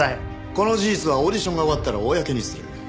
この事実はオーディションが終わったら公にする。